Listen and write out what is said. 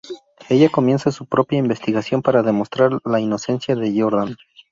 Ella comienza su propia investigación para demostrar la inocencia de Jordan.